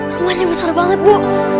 rumahnya besar banget bu